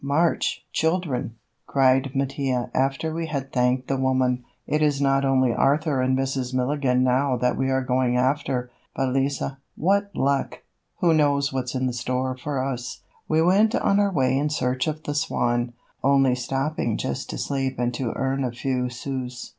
March! Children!" cried Mattia after we had thanked the woman. "It is not only Arthur and Mrs. Milligan now that we are going after, but Lise. What luck! Who knows what's in store for us!" We went on our way in search of the Swan, only stopping just to sleep and to earn a few sous.